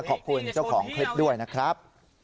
ขอบคุณเจ้าของคลิปด้วยนะครับ